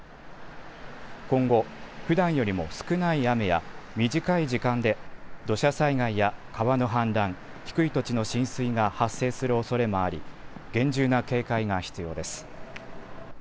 今後、ふだんよりも少ない雨や短い時間で土砂災害や川の氾濫、低い土地の浸水が発生するおそれもあり厳重な警戒が必要です。